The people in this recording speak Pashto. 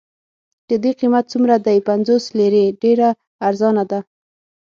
د دې قیمت څومره دی؟ پنځوس لیرې، ډېره ارزانه ده.